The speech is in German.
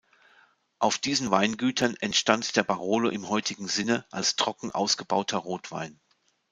Auf diesen Weingütern entstand der Barolo im heutigen Sinne, als trocken ausgebauter Rotwein.